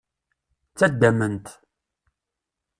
Ttaddamen-t.